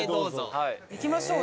行きましょう。